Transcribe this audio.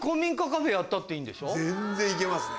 全然行けますね。